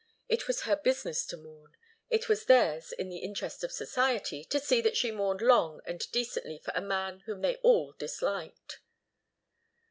It was her business to mourn; it was theirs, in the interest of society, to see that she mourned long and decently for a man whom they had all disliked.